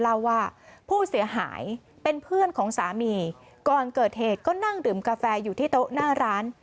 เล่าว่าผู้เสียหายเป็นเพื่อนของสามีก่อนเกิดเหตุก็นั่งดื่มกาแฟอยู่ที่โต๊ะหน้าร้าน